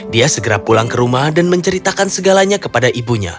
dia segera pulang ke rumah dan menceritakan segalanya kepada ibunya